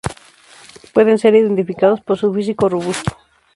Pueden ser identificados por su físico robusto.